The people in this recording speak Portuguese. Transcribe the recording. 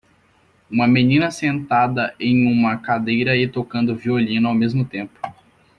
Uma menina sentada em uma cadeira e tocando violino ao mesmo tempo.